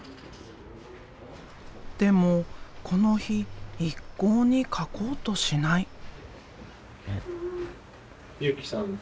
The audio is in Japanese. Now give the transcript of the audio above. でもこの日一向に描こうとしない。